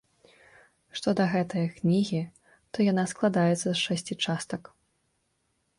Што да гэтае кнігі, то яна складаецца з шасці частак.